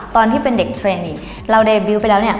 ตอนที่เป็นเด็กเทรนิกเราเดบิวต์ไปแล้วเนี่ย